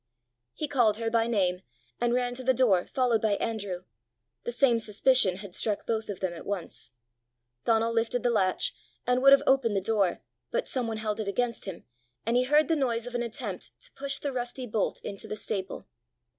He called her by name, and ran to the door, followed by Andrew: the same suspicion had struck both of them at once! Donal lifted the latch, and would have opened the door, but some one held it against him, and he heard the noise of an attempt to push the rusty bolt into the staple.